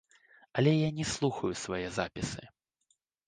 Але я не слухаю свае запісы.